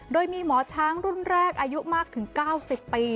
โดยมีหมอช้างรุ่นแรกอายุมากถึง๙๐ปี